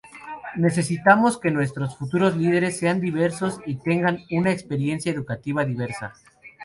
Necesitamos que nuestros futuros líderes sean diversos y tengan una experiencia educativa diversa...